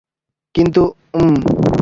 কিন্তু, উম।